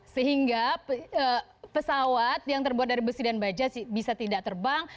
sehingga pesawat yang terbuat dari besi dan baja bisa tidak terbang